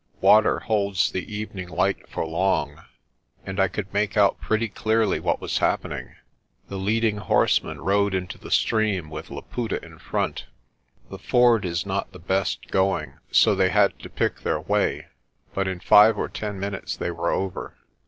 Water holds the evening light for long, and I could make out pretty clearly what was happening. The leading horsemen rode into the stream with Laputa in front. The ford is not the best going so they had to pick their way, but in five or ten minutes they were over.